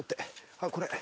あっこれ。